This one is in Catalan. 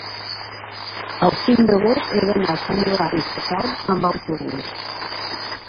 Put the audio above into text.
el cinc d'agost he d'anar a Sant Hilari Sacalm amb autobús.